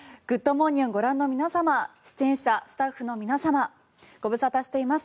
モーニング」をご覧の皆様、出演者の皆様スタッフの皆様ご無沙汰しています。